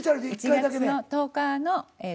１月の１０日の。